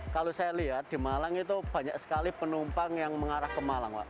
kalau saya lihat di malang itu banyak sekali penumpang yang mengarah ke malang pak